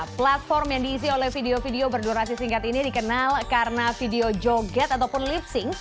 platform yang diisi oleh video video berdurasi singkat ini dikenal karena video joget ataupun lipsing